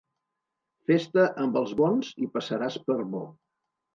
Fes-te amb els bons i passaràs per bo.